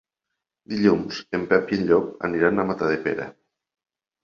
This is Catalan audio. Dilluns en Pep i en Llop aniran a Matadepera.